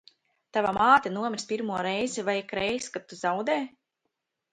Tava māte nomirst pirmo reizi vai ikreiz, kad tu zaudē?